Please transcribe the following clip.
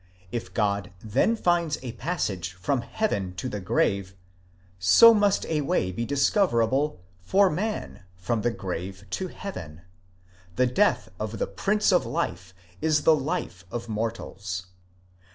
If God then finds a passage from heaven to the grave, 50 must a way be discoverable for man from the grave to heaven : the death of the prince of life is the life of mortals.